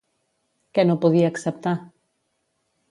Què no podia acceptar?